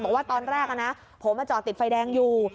บอกว่าตอนแรกนะผมจอดติดไฟแดงอยู่